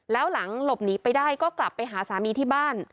แล้วหลังหลบหนีไปได้ก็กลับไปหาสามีที่บ้าน